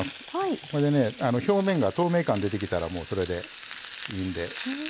それでね表面が透明感が出てきたらそれでいいんで。